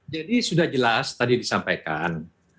jadi sudah jelas tadi disampaikan